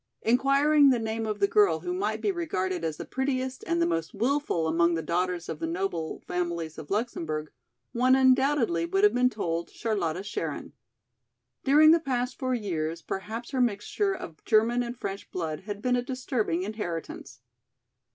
Inquiring the name of the girl who might be regarded as the prettiest and the most wilful among the daughters of the noble families of Luxemburg, one undoubtedly would have been told, Charlotta Scherin. During the past four years perhaps her mixture of German and French blood had been a disturbing inheritance.